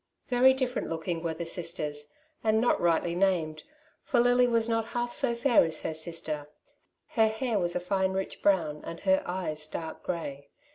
Very different Iooking were the sisters, and not rightly named, for Lily was not half so fair as her sister. Her hair was a fine rich brown, and her eyes dark grey.